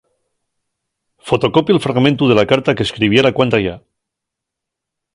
Fotocopio'l fragmentu de la carta qu'escribiera cuantayá.